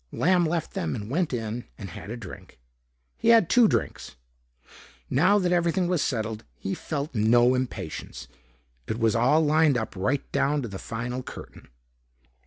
Lamb left them and went in and had a drink. He had two drinks. Now that everything was settled, he felt no impatience. It was all lined up right down to the final curtain.